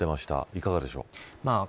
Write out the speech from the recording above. いかがでしょう。